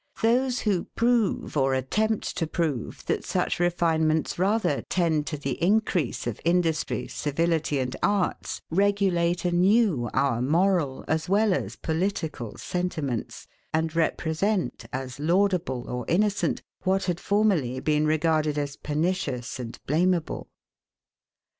Those, who prove, or attempt to prove, that such refinements rather tend to the increase of industry, civility, and arts regulate anew our MORAL as well as POLITICAL sentiments, and represent, as laudable or innocent, what had formerly been regarded as pernicious and blameable.